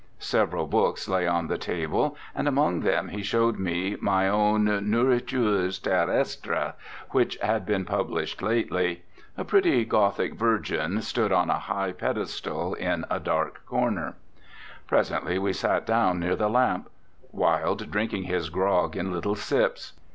Several books lay on the table, and among them he showed me my own Nourritures Terrestres, which had been published lately. A pretty Gothic Virgin stood on a high pedestal in a dark corner. Presently we sat down near the lamp, Wilde drinking his grog in little sips.